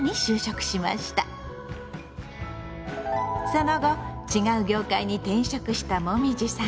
その後違う業界に転職したもみじさん。